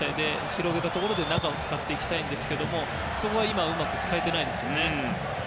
広げたところで中も使いたいんですがそこが今うまく使えてないですね。